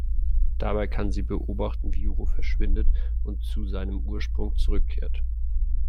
Dabei kann sie beobachten, wie Yoru verschwindet und zu seinem Ursprung zurückkehrt.